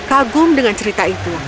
kagum dengan cerita itu